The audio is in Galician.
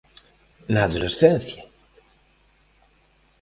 Na adolescencia?